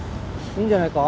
いいんじゃないか？